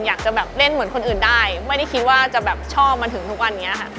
อยากจะแบบเล่นเหมือนคนอื่นได้ไม่ได้คิดว่าจะแบบชอบมาถึงทุกวันนี้ค่ะ